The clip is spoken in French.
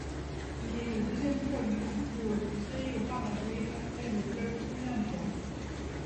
Il est le deuxième club de football créé au Paraguay, après le Club Olimpia.